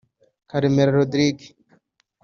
Karemera Rodrigue